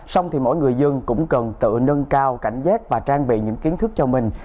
xong thì mỗi người dân cũng cần tự nâng cao cảnh giác và trang bị những kiến thức cho mình